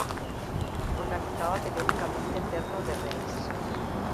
Organizaba periódicamente Terno de Reis.